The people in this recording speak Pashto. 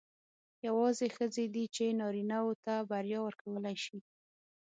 یوازې ښځې دي چې نارینه وو ته بریا ورکولای شي.